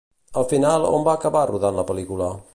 Al final on va acabar rodant la pel·lícula?